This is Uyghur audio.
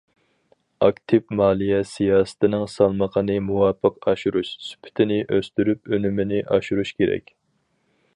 ئاكتىپ مالىيە سىياسىتىنىڭ سالمىقىنى مۇۋاپىق ئاشۇرۇش، سۈپىتىنى ئۆستۈرۈپ ئۈنۈمىنى ئاشۇرۇش كېرەك.